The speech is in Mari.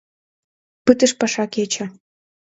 ...Пытыш паша кече.